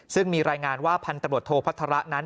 ซึ่งมีรายงานว่าพันธุ์ตำรวจโทพัฒระนั้น